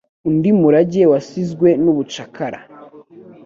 Undi murage wasizwe n'ubucakara,